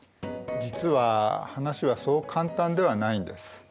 実は話はそう簡単ではないんです。